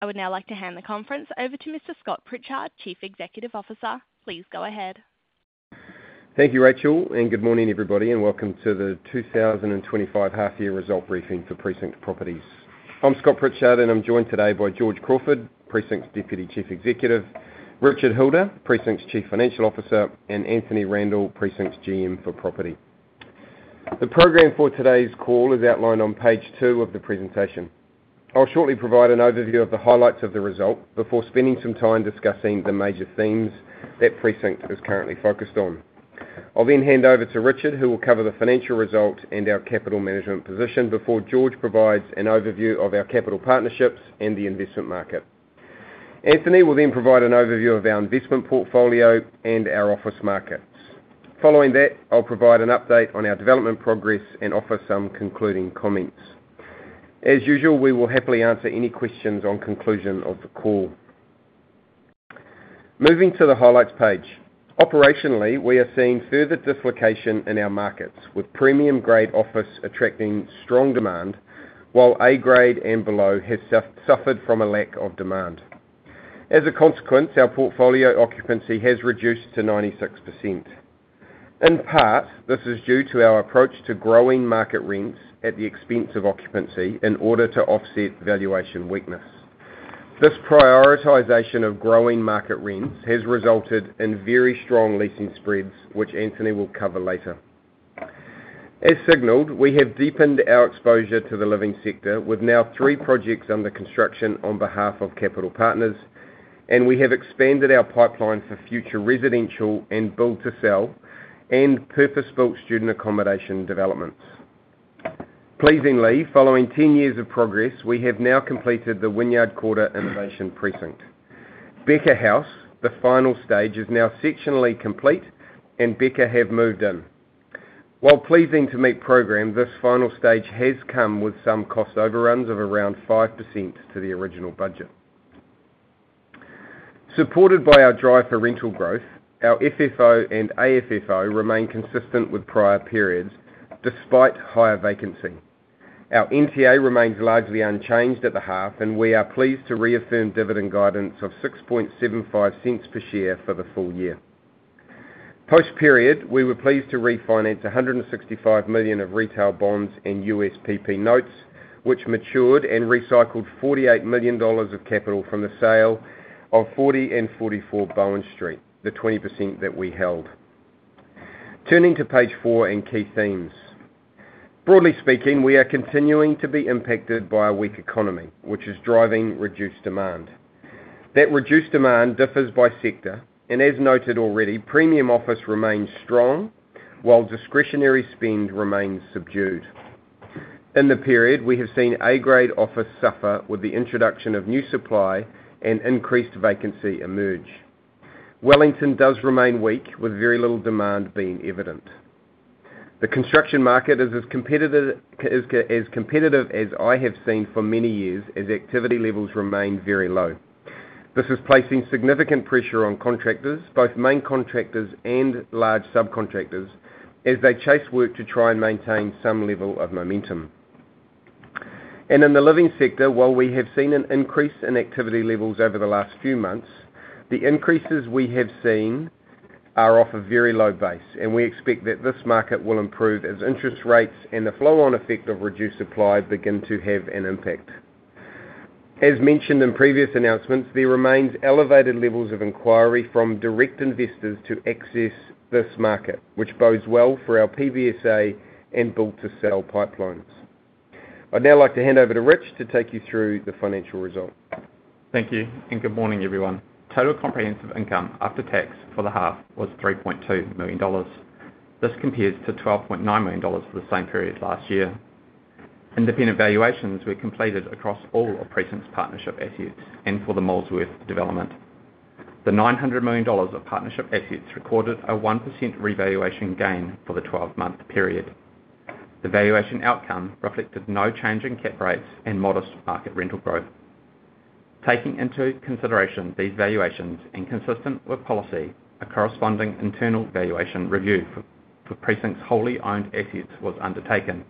I would now like to hand the conference over to Mr. Scott Pritchard, Chief Executive Officer. Please go ahead. Thank you, Rachel, and good morning, everybody, and welcome to the 2025 half-year result briefing for Precinct Properties. I'm Scott Pritchard, and I'm joined today by George Crawford, Precinct Deputy Chief Executive, Richard Hilder, Precinct Chief Financial Officer, and Anthony Randell, Precinct GM for Property. The programme for today's call is outlined on page two of the presentation. I'll shortly provide an overview of the highlights of the result before spending some time discussing the major themes that Precinct is currently focused on. I'll then hand over to Richard, who will cover the financial result and our capital management position, before George provides an overview of our capital partnerships and the investment market. Anthony will then provide an overview of our investment portfolio and our office markets. Following that, I'll provide an update on our development progress and offer some concluding comments. As usual, we will happily answer any questions on conclusion of the call. Moving to the highlights page, operationally, we are seeing further dislocation in our markets, with premium-grade office attracting strong demand, while A-grade and below have suffered from a lack of demand. As a consequence, our portfolio occupancy has reduced to 96%. In part, this is due to our approach to growing market rents at the expense of occupancy in order to offset valuation weakness. This prioritization of growing market rents has resulted in very strong leasing spreads, which Anthony will cover later. As signalled, we have deepened our exposure to the living sector, with now three projects under construction on behalf of capital partners, and we have expanded our pipeline for future residential and build-to-sell and purpose-built student accommodation developments. Pleasingly, following 10 years of progress, we have now completed the Wynyard Quarter Innovation Precinct, Beca House. The final stage is now sectionally complete, and Beca have moved in. While pleasing to meet programme, this final stage has come with some cost overruns of around 5% to the original budget. Supported by our drive for rental growth, our FFO and AFFO remain consistent with prior periods despite higher vacancy. Our NTA remains largely unchanged at the half, and we are pleased to reaffirm dividend guidance of 0.0675 per share for the full year. Post-period, we were pleased to refinance 165 million of retail bonds and USPP notes, which matured and recycled 48 million dollars of capital from the sale of 40 and 44 Bowen Street, the 20% that we held. Turning to page four and key themes. Broadly speaking, we are continuing to be impacted by a weak economy, which is driving reduced demand. That reduced demand differs by sector, and as noted already, premium office remains strong while discretionary spend remains subdued. In the period, we have seen A-grade office suffer with the introduction of new supply and increased vacancy emerge. Wellington does remain weak, with very little demand being evident. The construction market is as competitive as I have seen for many years as activity levels remain very low. This is placing significant pressure on contractors, both main contractors and large subcontractors, as they chase work to try and maintain some level of momentum, and in the living sector, while we have seen an increase in activity levels over the last few months, the increases we have seen are off a very low base, and we expect that this market will improve as interest rates and the flow-on effect of reduced supply begin to have an impact. As mentioned in previous announcements, there remains elevated levels of inquiry from direct investors to access this market, which bodes well for our PBSA and build-to-sell pipelines. I'd now like to hand over to Richard to take you through the financial result. Thank you, and good morning, everyone. Total comprehensive income after tax for the half was 3.2 million dollars. This compares to 12.9 million dollars for the same period last year. Independent valuations were completed across all of Precinct's partnership assets and for the Molesworth development. The 900 million dollars of partnership assets recorded a 1% revaluation gain for the 12-month period. The valuation outcome reflected no change in cap rates and modest market rental growth. Taking into consideration these valuations and consistent with policy, a corresponding internal valuation review for Precinct's wholly owned assets was undertaken.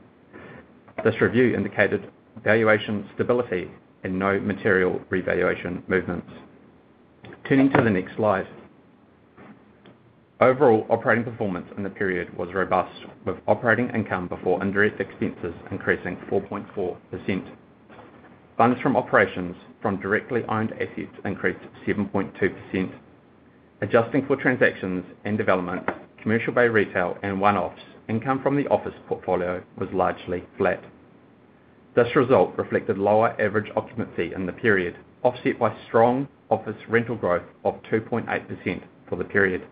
This review indicated valuation stability and no material revaluation movements. Turning to the next slide. Overall operating performance in the period was robust, with operating income before indirect expenses increasing 4.4%. Funds from operations from directly owned assets increased 7.2%. Adjusting for transactions and developments, Commercial Bay retail and one-offs, income from the office portfolio was largely flat. This result reflected lower average occupancy in the period, offset by strong office rental growth of 2.8% for the period.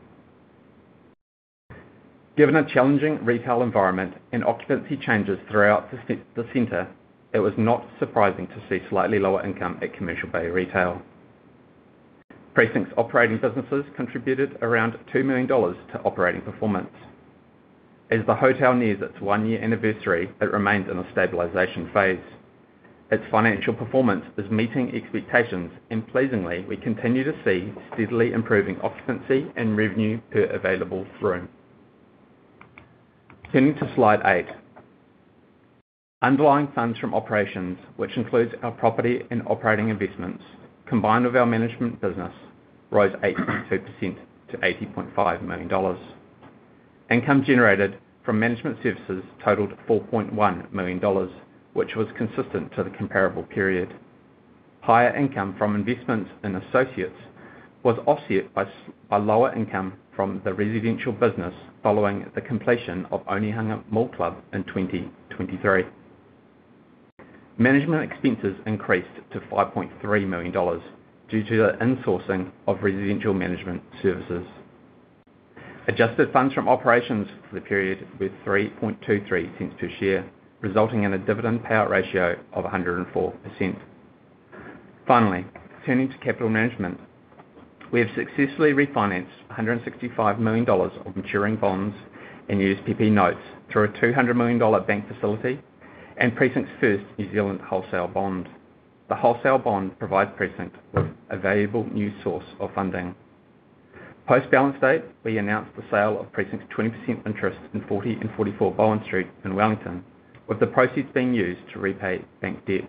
Given a challenging retail environment and occupancy changes throughout the centre, it was not surprising to see slightly lower income at Commercial Bay retail. Precinct's operating businesses contributed around 2 million dollars to operating performance. As the hotel nears its one-year anniversary, it remains in a stabilization phase. Its financial performance is meeting expectations, and pleasingly, we continue to see steadily improving occupancy and revenue per available room. Turning to slide eight. Underlying funds from operations, which includes our property and operating investments, combined with our management business, rose 8.2% to 80.5 million dollars. Income generated from management services totaled 4.1 million dollars, which was consistent to the comparable period. Higher income from investments and associates was offset by lower income from the residential business following the completion of Onehunga Mall Club in 2023. Management expenses increased to 5.3 million dollars due to the insourcing of residential management services. Adjusted funds from operations for the period were 0.0323 per share, resulting in a dividend payout ratio of 104%. Finally, turning to capital management, we have successfully refinanced 165 million dollars of maturing bonds and USPP notes through a 200 million dollar bank facility and Precinct's first New Zealand wholesale bond. The wholesale bond provides Precinct with a valuable new source of funding. Post-balance date, we announced the sale of Precinct's 20% interest in 40 and 44 Bowen Street in Wellington, with the proceeds being used to repay bank debt.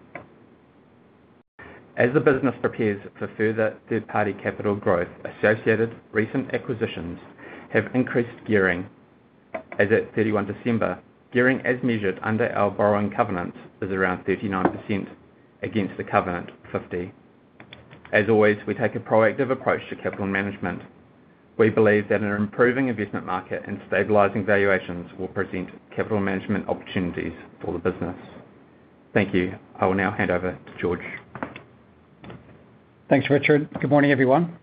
As the business prepares for further third-party capital growth, associated recent acquisitions have increased gearing. As at 31 December, gearing as measured under our borrowing covenants is around 39% against the covenant 50%. As always, we take a proactive approach to capital management. We believe that an improving investment market and stabilizing valuations will present capital management opportunities for the business. Thank you. I will now hand over to George. Thanks, Richard. Good morning, everyone.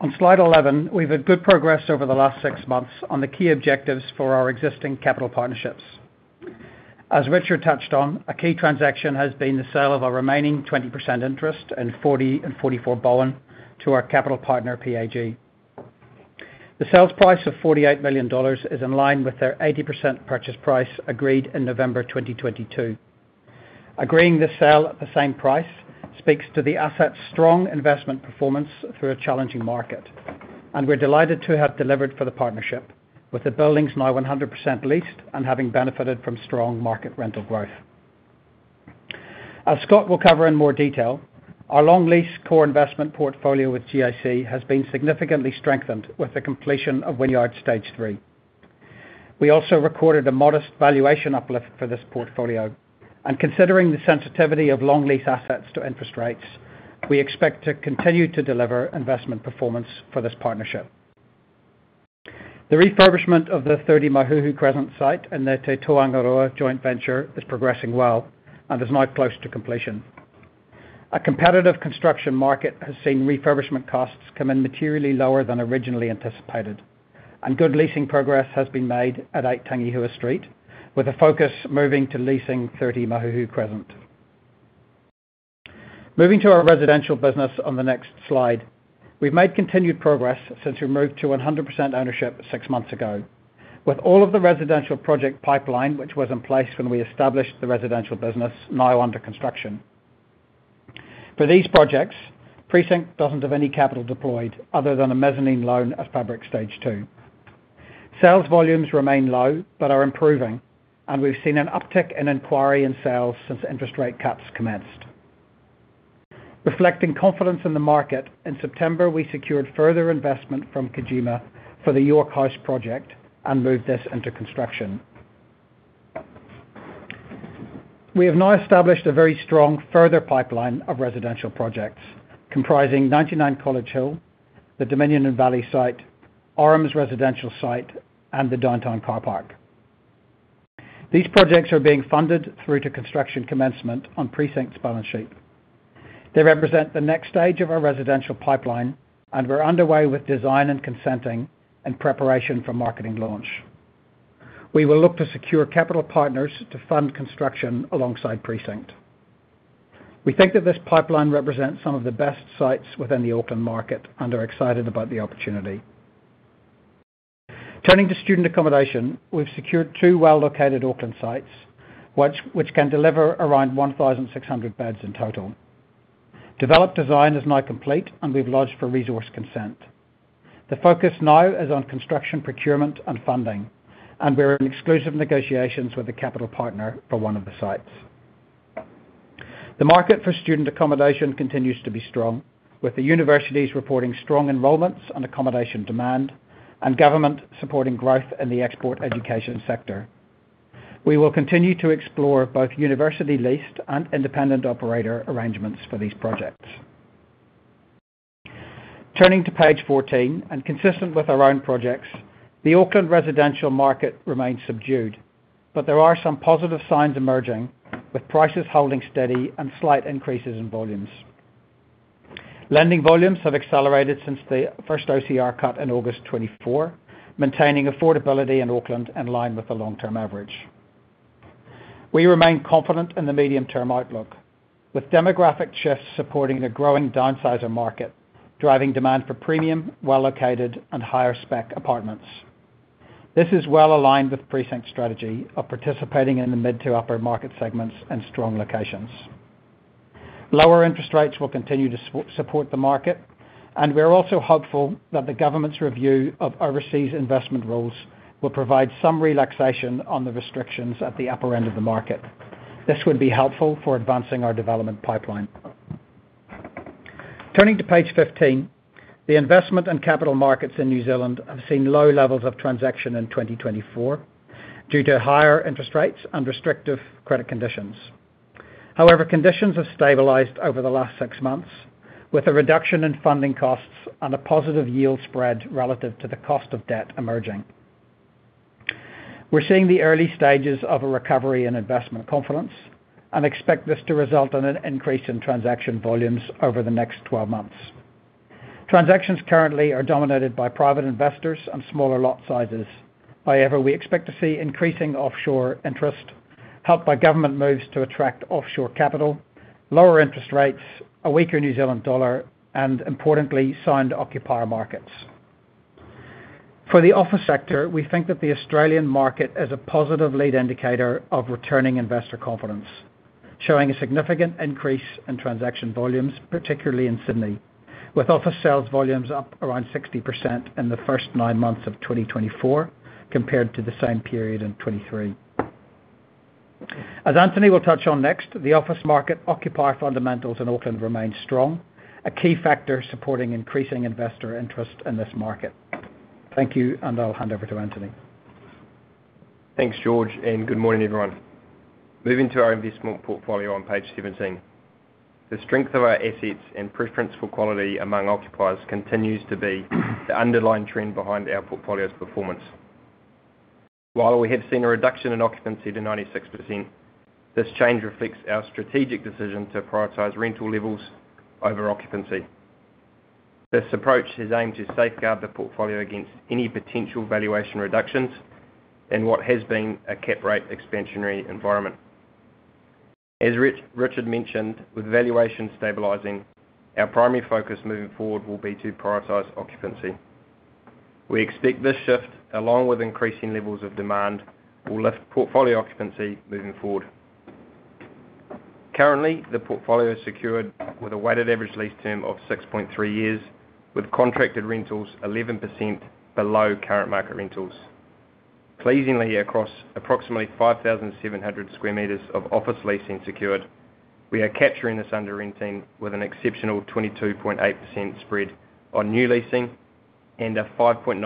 On slide 11, we've had good progress over the last six months on the key objectives for our existing capital partnerships. As Richard touched on, a key transaction has been the sale of our remaining 20% interest in 40 and 44 Bowen to our capital partner, PAG. The sales price of 48 million dollars is in line with their 80% purchase price agreed in November 2022. Agreeing this sale at the same price speaks to the asset's strong investment performance through a challenging market, and we're delighted to have delivered for the partnership, with the buildings now 100% leased and having benefited from strong market rental growth. As Scott will cover in more detail, our long-lease core investment portfolio with GIC has been significantly strengthened with the completion of Wynyard Stage 3. We also recorded a modest valuation uplift for this portfolio, and considering the sensitivity of long-lease assets to interest rates, we expect to continue to deliver investment performance for this partnership. The refurbishment of the 30 Mahuhu Crescent site and their Te Tōangaroa joint venture is progressing well and is now close to completion. A competitive construction market has seen refurbishment costs come in materially lower than originally anticipated, and good leasing progress has been made at 8 Tangihua Street, with a focus moving to leasing 30 Mahuhu Crescent. Moving to our residential business on the next slide, we've made continued progress since we moved to 100% ownership six months ago, with all of the residential project pipeline, which was in place when we established the residential business, now under construction. For these projects, Precinct doesn't have any capital deployed other than a mezzanine loan as Fabric Stage Two. Sales volumes remain low but are improving, and we've seen an uptick in inquiry and sales since interest rate cuts commenced. Reflecting confidence in the market, in September, we secured further investment from Kajima for the York House project and moved this into construction. We have now established a very strong further pipeline of residential projects comprising 99 College Hill, the Dominion and Valley site, Orams' residential site, and the Downtown Car Park. These projects are being funded through to construction commencement on Precinct's balance sheet. They represent the next stage of our residential pipeline, and we're underway with design and consenting and preparation for marketing launch. We will look to secure capital partners to fund construction alongside Precinct. We think that this pipeline represents some of the best sites within the Auckland market and are excited about the opportunity. Turning to student accommodation, we've secured two well-located Auckland sites, which can deliver around 1,600 beds in total. Developed design is now complete, and we've lodged for resource consent. The focus now is on construction procurement and funding, and we're in exclusive negotiations with a capital partner for one of the sites. The market for student accommodation continues to be strong, with the universities reporting strong enrollments and accommodation demand, and government supporting growth in the export education sector. We will continue to explore both university-leased and independent operator arrangements for these projects. Turning to page 14, and consistent with our own projects, the Auckland residential market remains subdued, but there are some positive signs emerging, with prices holding steady and slight increases in volumes. Lending volumes have accelerated since the first OCR cut in August 2024, maintaining affordability in Auckland in line with the long-term average. We remain confident in the medium-term outlook, with demographic shifts supporting a growing downsizer market, driving demand for premium, well-located, and higher-spec apartments. This is well aligned with Precinct's strategy of participating in the mid to upper market segments and strong locations. Lower interest rates will continue to support the market, and we're also hopeful that the government's review of overseas investment rules will provide some relaxation on the restrictions at the upper end of the market. This would be helpful for advancing our development pipeline. Turning to page 15, the investment and capital markets in New Zealand have seen low levels of transaction in 2024 due to higher interest rates and restrictive credit conditions. However, conditions have stabilized over the last six months, with a reduction in funding costs and a positive yield spread relative to the cost of debt emerging. We're seeing the early stages of a recovery in investment confidence and expect this to result in an increase in transaction volumes over the next 12 months. Transactions currently are dominated by private investors and smaller lot sizes. However, we expect to see increasing offshore interest, helped by government moves to attract offshore capital, lower interest rates, a weaker New Zealand dollar, and importantly, signed occupier markets. For the office sector, we think that the Australian market is a positive lead indicator of returning investor confidence, showing a significant increase in transaction volumes, particularly in Sydney, with office sales volumes up around 60% in the first nine months of 2024 compared to the same period in 2023. As Anthony will touch on next, the office market occupier fundamentals in Auckland remain strong, a key factor supporting increasing investor interest in this market. Thank you, and I'll hand over to Anthony. Thanks, George, and good morning, everyone. Moving to our investment portfolio on page 17, the strength of our assets and preference for quality among occupiers continues to be the underlying trend behind our portfolio's performance. While we have seen a reduction in occupancy to 96%, this change reflects our strategic decision to prioritize rental levels over occupancy. This approach is aimed to safeguard the portfolio against any potential valuation reductions in what has been a cap rate expansionary environment. As Richard mentioned, with valuation stabilizing, our primary focus moving forward will be to prioritize occupancy. We expect this shift, along with increasing levels of demand, will lift portfolio occupancy moving forward. Currently, the portfolio is secured with a weighted average lease term of 6.3 years, with contracted rentals 11% below current market rentals. Pleasingly, across approximately 5,700 square meters of office leasing secured, we are capturing this under renting with an exceptional 22.8% spread on new leasing and a 5.9%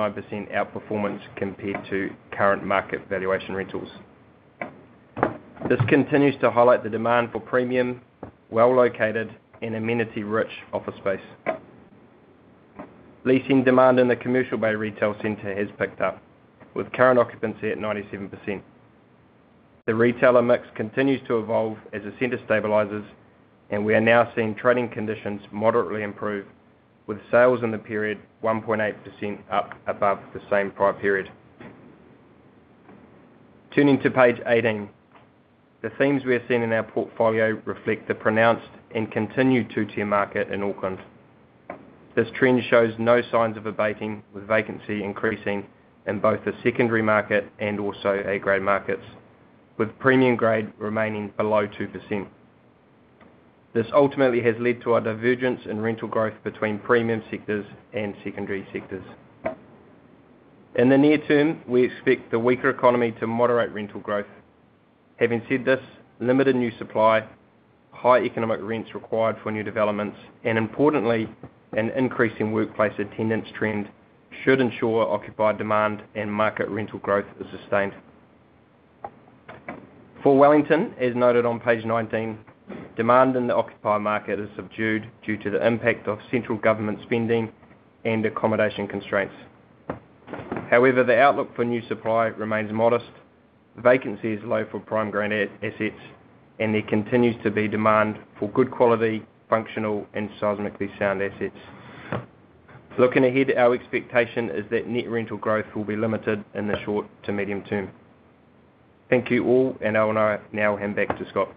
outperformance compared to current market valuation rentals. This continues to highlight the demand for premium, well-located, and amenity-rich office space. Leasing demand in the Commercial Bay retail center has picked up, with current occupancy at 97%. The retailer mix continues to evolve as the center stabilizes, and we are now seeing trading conditions moderately improve, with sales in the period 1.8% up above the same prior period. Turning to page 18, the themes we are seeing in our portfolio reflect the pronounced and continued two-tier market in Auckland. This trend shows no signs of abating, with vacancy increasing in both the secondary market and also A-grade markets, with premium grade remaining below 2%. This ultimately has led to a divergence in rental growth between premium sectors and secondary sectors. In the near term, we expect the weaker economy to moderate rental growth. Having said this, limited new supply, high economic rents required for new developments, and importantly, an increasing workplace attendance trend should ensure occupier demand and market rental growth is sustained. For Wellington, as noted on page 19, demand in the occupier market is subdued due to the impact of central government spending and accommodation constraints. However, the outlook for new supply remains modest, vacancy is low for prime-grade assets, and there continues to be demand for good quality, functional, and seismically sound assets. Looking ahead, our expectation is that net rental growth will be limited in the short to medium term. Thank you all, and I will now hand back to Scott.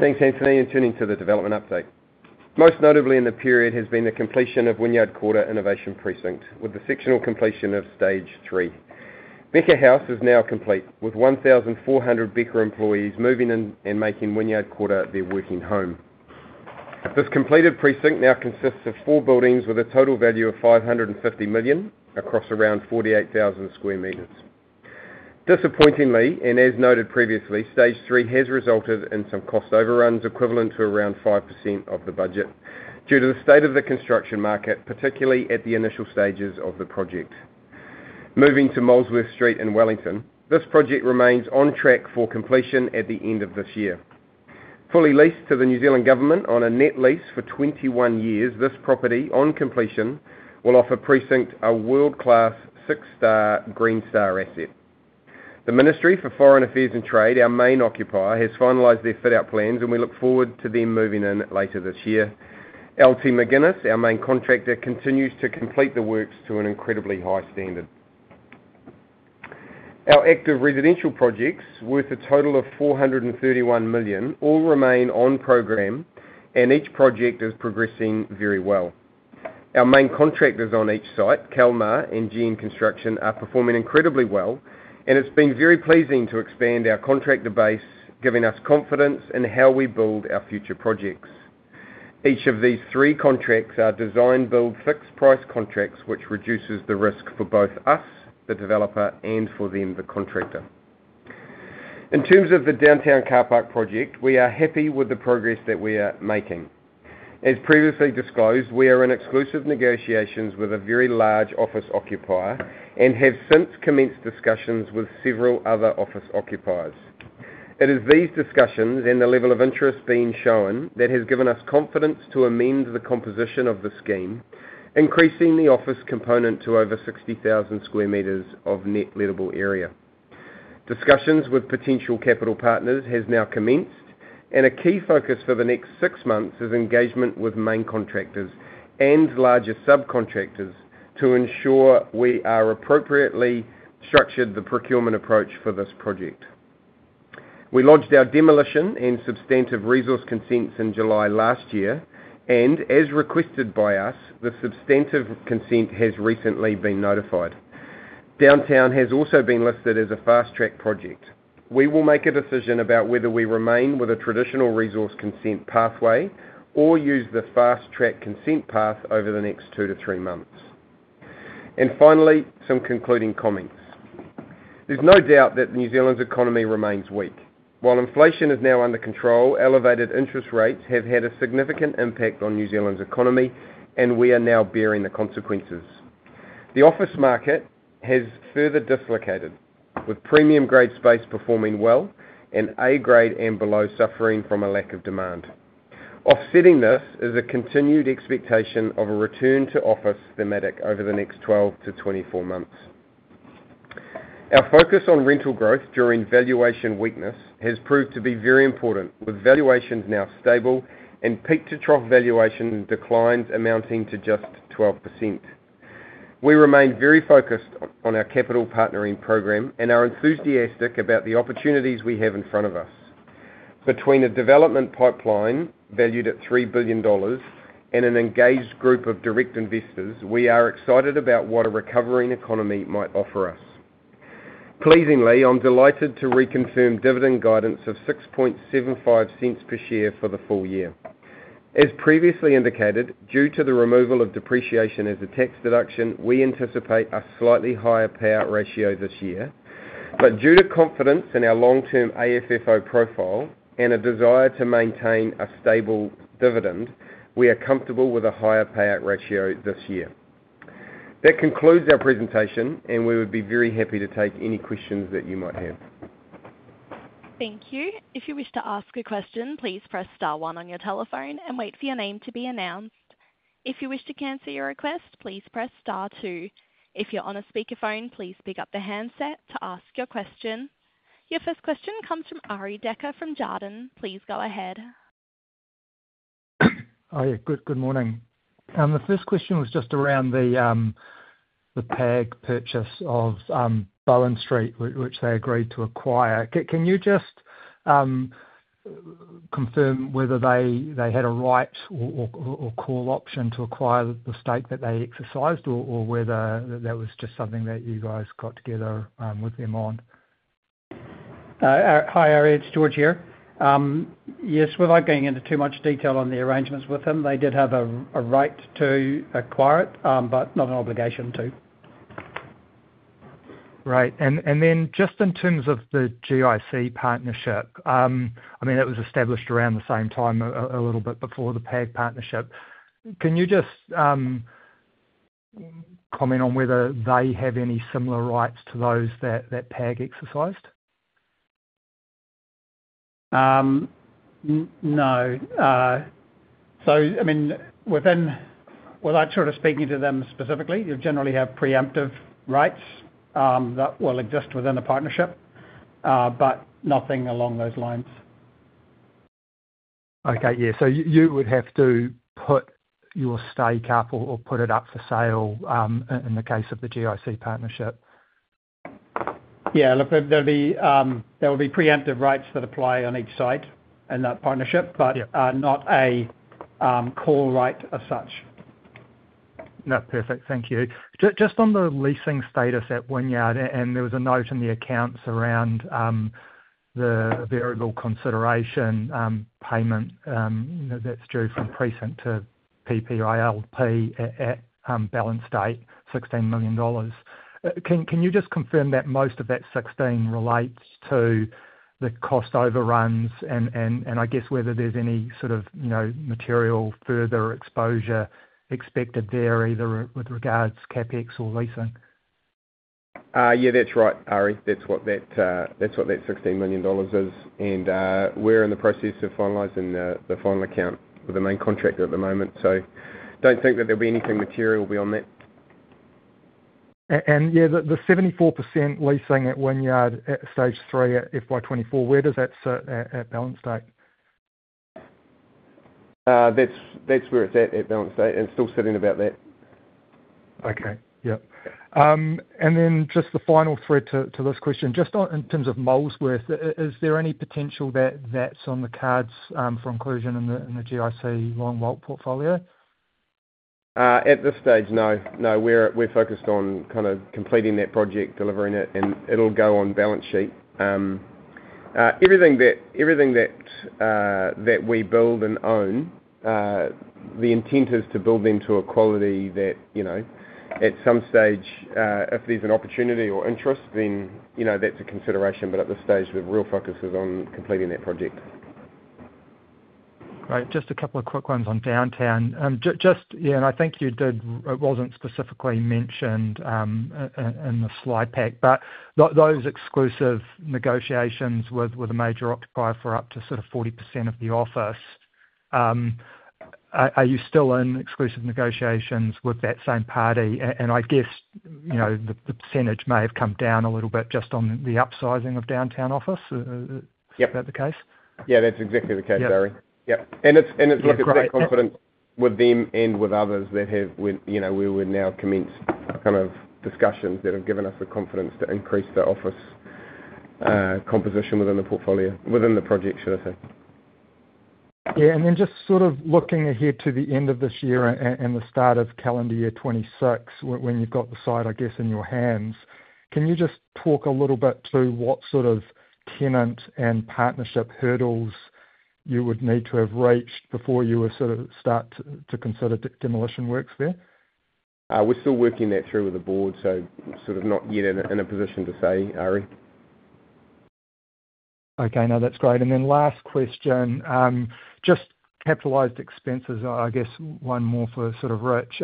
Thanks, Anthony, and turning to the development update. Most notably in the period has been the completion of Wynyard Quarter Innovation Precinct, with the final completion of Stage 3. Beca House is now complete, with 1,400 Beca employees moving in and making Wynyard Quarter their working home. This completed precinct now consists of four buildings with a total value of 550 million across around 48,000 sq m. Disappointingly, and as noted previously, Stage 3 has resulted in some cost overruns equivalent to around 5% of the budget due to the state of the construction market, particularly at the initial stages of the project. Moving to Molesworth Street in Wellington, this project remains on track for completion at the end of this year. Fully leased to the New Zealand Government on a net lease for 21 years, this property on completion will offer Precinct a world-class six-star Green Star asset. The Ministry of Foreign Affairs and Trade, our main occupier, has finalized their fit-out plans, and we look forward to them moving in later this year. LT McGuinness, our main contractor, continues to complete the works to an incredibly high standard. Our active residential projects, worth a total of 431 million, all remain on program, and each project is progressing very well. Our main contractors on each site, Kalmar and CMP Construction, are performing incredibly well, and it's been very pleasing to expand our contractor base, giving us confidence in how we build our future projects. Each of these three contracts are design-build fixed-price contracts, which reduces the risk for both us, the developer, and for them, the contractor. In terms of the Downtown Car Park project, we are happy with the progress that we are making. As previously disclosed, we are in exclusive negotiations with a very large office occupier and have since commenced discussions with several other office occupiers. It is these discussions and the level of interest being shown that has given us confidence to amend the composition of the scheme, increasing the office component to over 60,000 square meters of net lettable area. Discussions with potential capital partners have now commenced, and a key focus for the next six months is engagement with main contractors and larger subcontractors to ensure we are appropriately structured the procurement approach for this project. We lodged our demolition and substantive resource consents in July last year, and as requested by us, the substantive consent has recently been notified. Downtown has also been listed as a fast-track project. We will make a decision about whether we remain with a traditional resource consent pathway or use the fast-track consent path over the next two to three months. And finally, some concluding comments. There's no doubt that New Zealand's economy remains weak. While inflation is now under control, elevated interest rates have had a significant impact on New Zealand's economy, and we are now bearing the consequences. The office market has further dislocated, with premium-grade space performing well and A-grade and below suffering from a lack of demand. Offsetting this is a continued expectation of a return-to-office thematic over the next 12-24 months. Our focus on rental growth during valuation weakness has proved to be very important, with valuations now stable and peak-to-trough valuation declines amounting to just 12%. We remain very focused on our capital partnering program and are enthusiastic about the opportunities we have in front of us. Between a development pipeline valued at 3 billion dollars and an engaged group of direct investors, we are excited about what a recovering economy might offer us. Pleasingly, I'm delighted to reconfirm dividend guidance of 0.0675 per share for the full year. As previously indicated, due to the removal of depreciation as a tax deduction, we anticipate a slightly higher payout ratio this year, but due to confidence in our long-term AFFO profile and a desire to maintain a stable dividend, we are comfortable with a higher payout ratio this year. That concludes our presentation, and we would be very happy to take any questions that you might have. Thank you. If you wish to ask a question, please press star one on your telephone and wait for your name to be announced. If you wish to cancel your request, please press star two. If you're on a speakerphone, please pick up the handset to ask your question. Your first question comes from Arie Dekker from Jarden. Please go ahead. Aye, good morning. The first question was just around the PAG purchase of Bowen Street, which they agreed to acquire. Can you just confirm whether they had a right or call option to acquire the stake that they exercised or whether that was just something that you guys got together with them on? Hi, Arie, it's George here. Yes, without going into too much detail on the arrangements with them, they did have a right to acquire it, but not an obligation to. Right. And then just in terms of the GIC partnership, I mean, it was established around the same time, a little bit before the PAG partnership. Can you just comment on whether they have any similar rights to those that PAG exercised? No. So, I mean, without sort of speaking to them specifically, you generally have preemptive rights that will exist within the partnership, but nothing along those lines. Okay. Yeah. So you would have to put your stake up or put it up for sale in the case of the GIC partnership? Yeah. Look, there will be preemptive rights that apply on each site in that partnership, but not a call right as such. No, perfect. Thank you. Just on the leasing status at Wynyard, and there was a note in the accounts around the variable consideration payment that's due from Precinct to PPILP at balance date, 16 million dollars. Can you just confirm that most of that 16 relates to the cost overruns and I guess whether there's any sort of material further exposure expected there either with regards to CapEx or leasing? Yeah, that's right, Arie. That's what that 16 million dollars is. And we're in the process of finalizing the final account with the main contractor at the moment. So don't think that there'll be anything material beyond that. Yeah, the 74% leasing at Wynyard at Stage 3 at FY24, where does that sit at balance date? That's where it's at balance date. It's still sitting about that. Okay. Yep. And then just the final thread to this question, just in terms of Molesworth, is there any potential that that's on the cards for inclusion in the GIC Long WALE portfolio? At this stage, no. No, we're focused on kind of completing that project, delivering it, and it'll go on balance sheet. Everything that we build and own, the intent is to build them to a quality that at some stage, if there's an opportunity or interest, then that's a consideration. But at this stage, the real focus is on completing that project. Great. Just a couple of quick ones on Downtown. Just, yeah, and I think you did, it wasn't specifically mentioned in the slide pack, but those exclusive negotiations with a major occupier for up to sort of 40% of the office, are you still in exclusive negotiations with that same party? And I guess the percentage may have come down a little bit just on the upsizing of Downtown office. Is that the case? Yeah, that's exactly the case, Arie. Yeah. Yep, and it's looking at that confidence with them and with others that we would now commence kind of discussions that have given us the confidence to increase the office composition within the portfolio, within the project, should I say. Yeah. And then just sort of looking ahead to the end of this year and the start of calendar year 2026, when you've got the site, I guess, in your hands, can you just talk a little bit to what sort of tenant and partnership hurdles you would need to have reached before you would sort of start to consider demolition works there? We're still working that through with the board, so sort of not yet in a position to say, Ari.e Okay. No, that's great, and then last question, just capitalized expenses, I guess one more for sort of Rich.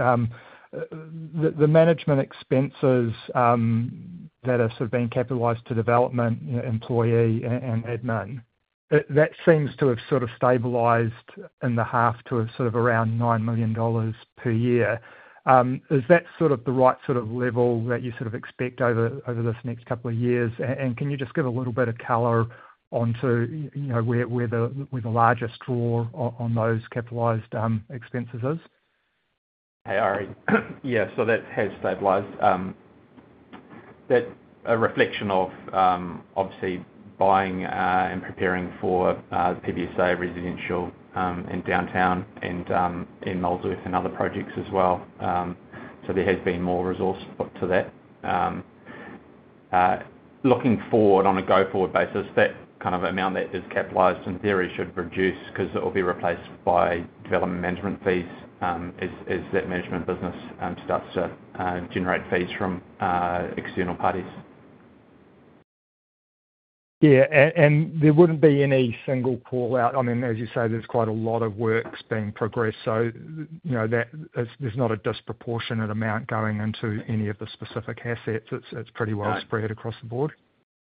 The management expenses that have sort of been capitalized to development, employee and admin, that seems to have sort of stabilized in the half to sort of around 9 million dollars per year. Is that sort of the right sort of level that you sort of expect over this next couple of years? And can you just give a little bit of color onto where the largest draw on those capitalized expenses is? Hey, Arie. Yeah. So that has stabilized. That's a reflection of obviously buying and preparing for PBSA residential in downtown and in Molesworth and other projects as well. So there has been more resource put to that. Looking forward on a go-forward basis, that kind of amount that is capitalized in theory should reduce because it will be replaced by development management fees as that management business starts to generate fees from external parties. Yeah. And there wouldn't be any single call out. I mean, as you say, there's quite a lot of works being progressed. So there's not a disproportionate amount going into any of the specific assets. It's pretty well spread across the board.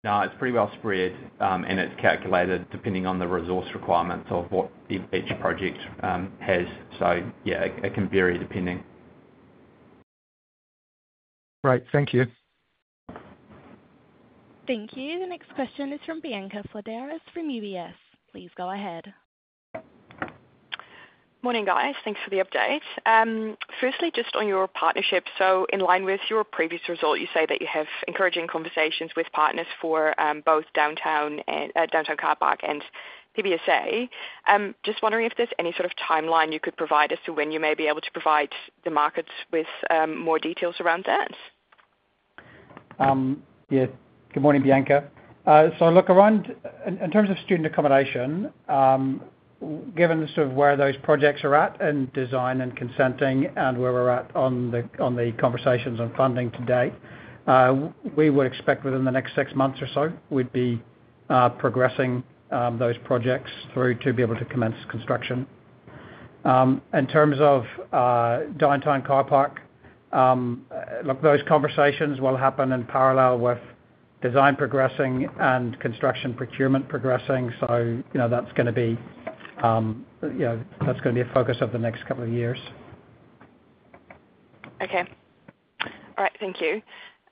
No, it's pretty well spread, and it's calculated depending on the resource requirements of what each project has. So yeah, it can vary depending. Great. Thank you. Thank you. The next question is from Bianca Fledderus from UBS. Please go ahead. Morning, guys. Thanks for the update. Firstly, just on your partnership, so in line with your previous result, you say that you have encouraging conversations with partners for both Downtown Car Park and PBSA. Just wondering if there's any sort of timeline you could provide as to when you may be able to provide the markets with more details around that. Yeah. Good morning, Bianca. So look, around in terms of student accommodation, given sort of where those projects are at in design and consenting and where we're at on the conversations on funding to date, we would expect within the next six months or so, we'd be progressing those projects through to be able to commence construction. In terms of Downtown Car Park, look, those conversations will happen in parallel with design progressing and construction procurement progressing. So that's going to be a focus of the next couple of years. Okay. All right. Thank you.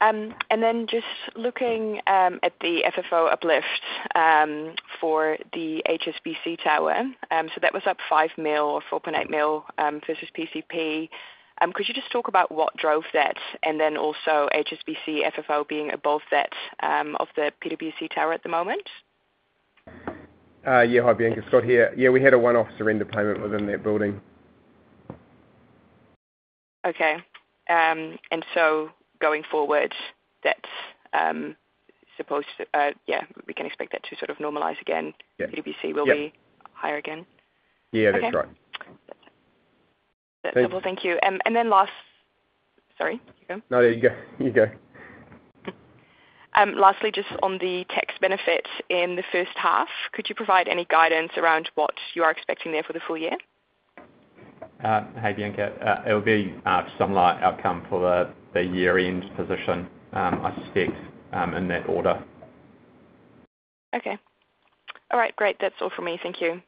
And then just looking at the FFO uplift for the HSBC Tower. So that was up 5 million or 4.8 million versus PCP. Could you just talk about what drove that and then also HSBC FFO being above that of the PwC Tower at the moment? Yeah, hi, Bianca Scott here. Yeah, we had a one-off surrender payment within that building. Okay, and so going forward, that's supposed to yeah, we can expect that to sort of normalize again. PwC will be higher again. Yeah, that's right. Okay. That's it, well, thank you and then, last, sorry, you go. No, there you go. You go. Lastly, just on the tax benefits in the first half, could you provide any guidance around what you are expecting there for the full year? Hey, Bianca. It'll be a sunny outcome for the year-end position, I suspect, in that order. Okay. All right. Great. That's all from me. Thank you.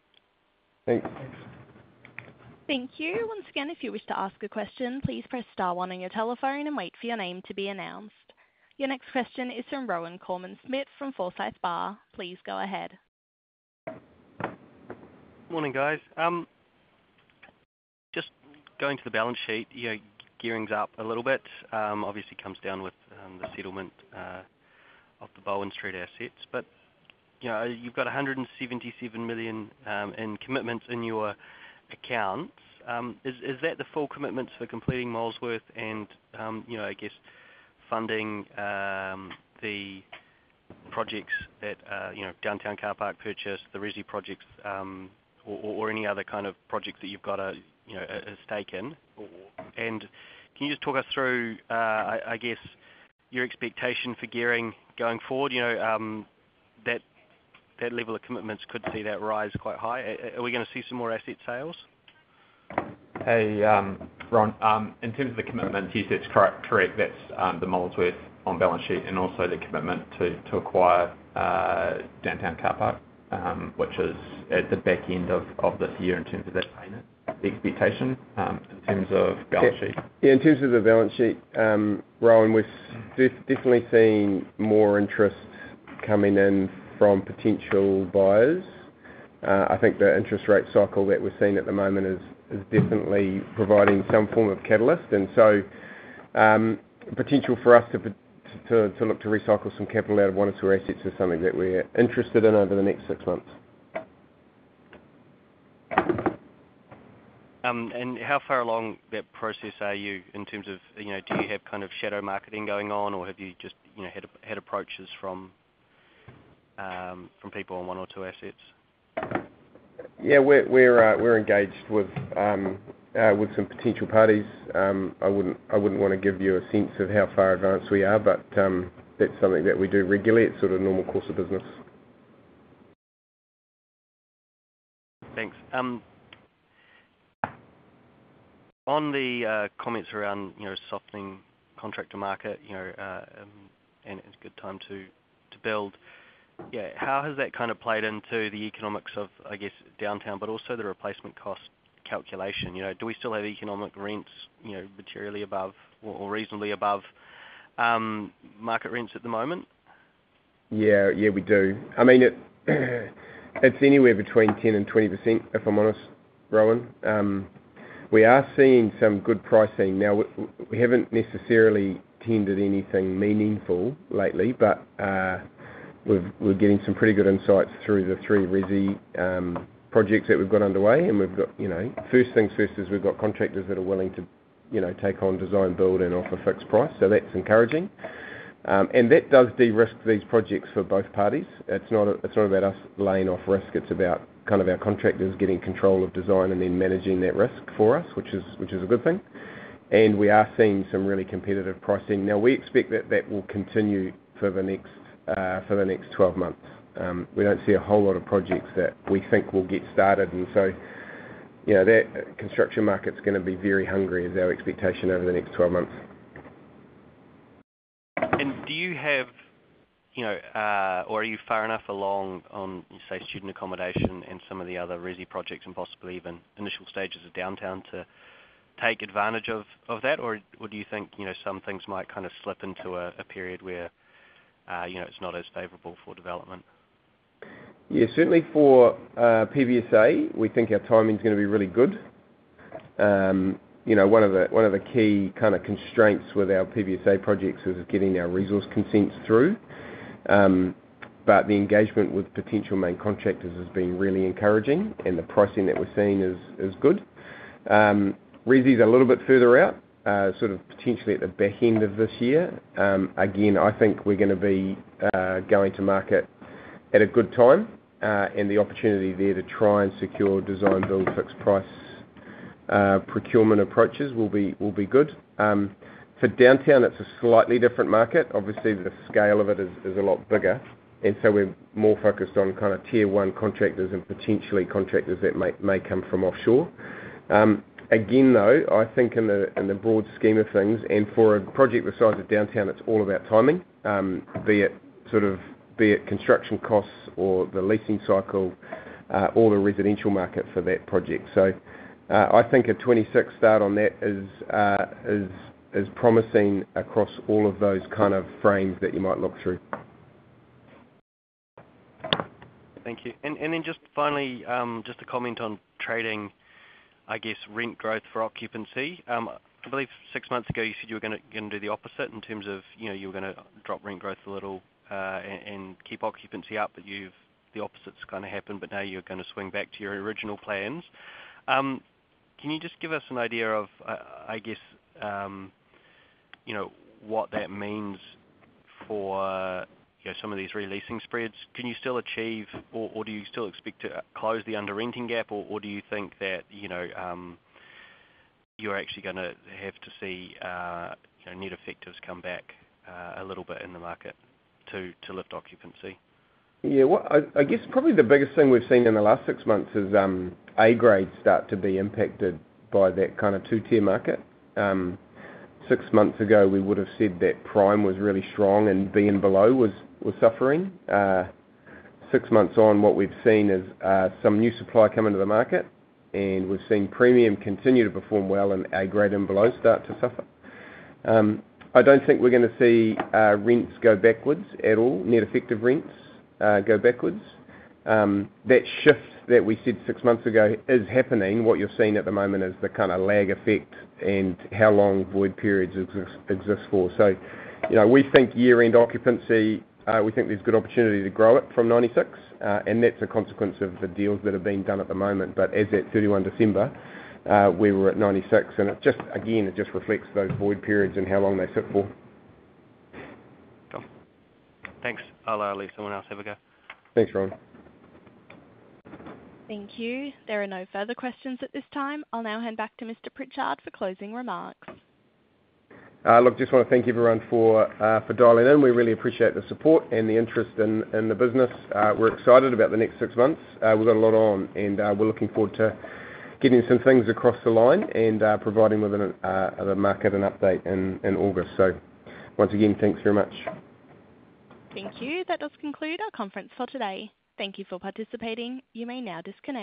Thanks. Thank you. Once again, if you wish to ask a question, please press star one on your telephone and wait for your name to be announced. Your next question is from Rohan Koreman-Smit from Forsyth Barr. Please go ahead. Morning, guys. Just going to the balance sheet, gearing up a little bit, obviously comes down with the settlement of the Bowen Street assets. But you've got 177 million in commitments in your accounts. Is that the full commitments for completing Molesworth and, I guess, funding the projects that Downtown Car Park purchased, the Resi projects, or any other kind of project that you've got a stake in? And can you just talk us through, I guess, your expectation for gearing going forward? That level of commitments could see that rise quite high. Are we going to see some more asset sales? Hey, Rowan, in terms of the commitments, you said it's correct. That's the Molesworth on balance sheet and also the commitment to acquire Downtown Car Park, which is at the back end of this year in terms of that payment expectation in terms of balance sheet. Yeah, in terms of the balance sheet, Rowan, we've definitely seen more interest coming in from potential buyers. I think the interest rate cycle that we're seeing at the moment is definitely providing some form of catalyst, and so potential for us to look to recycle some capital out of one or two assets is something that we're interested in over the next six months. And how far along that process are you in terms of do you have kind of shadow marketing going on, or have you just had approaches from people on one or two assets? Yeah, we're engaged with some potential parties. I wouldn't want to give you a sense of how far advanced we are, but that's something that we do regularly. It's sort of normal course of business. Thanks. On the comments around softening contractor market and it's a good time to build, yeah, how has that kind of played into the economics of, I guess, downtown, but also the replacement cost calculation? Do we still have economic rents materially above or reasonably above market rents at the moment? Yeah. Yeah, we do. I mean, it's anywhere between 10%-20%, if I'm honest, Rowan. We are seeing some good pricing. Now, we haven't necessarily tended anything meaningful lately, but we're getting some pretty good insights through the three Resi projects that we've got underway. And we've got, first things first, is we've got contractors that are willing to take on design, build, and offer fixed price. So that's encouraging. And that does de-risk these projects for both parties. It's not about us laying off risk. It's about kind of our contractors getting control of design and then managing that risk for us, which is a good thing. And we are seeing some really competitive pricing. Now, we expect that that will continue for the next 12 months. We don't see a whole lot of projects that we think will get started. That construction market's going to be very hungry is our expectation over the next 12 months. Do you have or are you far enough along on, say, student accommodation and some of the other Resi projects and possibly even initial stages of downtown to take advantage of that? Or do you think some things might kind of slip into a period where it's not as favorable for development? Yeah, certainly for PBSA, we think our timing's going to be really good. One of the key kind of constraints with our PBSA projects was getting our resource consents through. But the engagement with potential main contractors has been really encouraging, and the pricing that we're seeing is good. Resi's a little bit further out, sort of potentially at the back end of this year. Again, I think we're going to be going to market at a good time, and the opportunity there to try and secure design, build, fixed price procurement approaches will be good. For downtown, it's a slightly different market. Obviously, the scale of it is a lot bigger, and so we're more focused on kind of tier one contractors and potentially contractors that may come from offshore. Again, though, I think in the broad scheme of things and for a project the size of downtown, it's all about timing, be it construction costs or the leasing cycle or the residential market for that project. So I think a 2026 start on that is promising across all of those kind of frames that you might look through. Thank you. And then just finally, just a comment on trading, I guess, rent growth for occupancy. I believe six months ago, you said you were going to do the opposite in terms of you were going to drop rent growth a little and keep occupancy up, but the opposite's kind of happened, but now you're going to swing back to your original plans. Can you just give us an idea of, I guess, what that means for some of these re-leasing spreads? Can you still achieve, or do you still expect to close the under-renting gap, or do you think that you're actually going to have to see net effective come back a little bit in the market to lift occupancy? Yeah. I guess probably the biggest thing we've seen in the last six months is A grades start to be impacted by that kind of two-tier market. Six months ago, we would have said that prime was really strong and B and below were suffering. Six months on, what we've seen is some new supply coming to the market, and we've seen premium continue to perform well and A grade and below start to suffer. I don't think we're going to see rents go backwards at all, net effective rents go backwards. That shift that we said six months ago is happening. What you're seeing at the moment is the kind of lag effect and how long void periods exist for. So we think year-end occupancy, we think there's good opportunity to grow it from 96%, and that's a consequence of the deals that have been done at the moment. But as at 31 December, we were at 96%, and again, it just reflects those void periods and how long they sit for. Cool. Thanks. I'll leave someone else. Have a go. Thanks, Rohan. Thank you. There are no further questions at this time. I'll now hand back to Mr. Pritchard for closing remarks. Look, just want to thank everyone for dialing in. We really appreciate the support and the interest in the business. We're excited about the next six months. We've got a lot on, and we're looking forward to getting some things across the line and providing the market an update in August. So once again, thanks very much. Thank you. That does conclude our conference for today. Thank you for participating. You may now disconnect.